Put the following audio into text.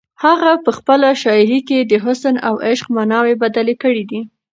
هغه په خپله شاعري کې د حسن او عشق ماناوې بدلې کړې دي.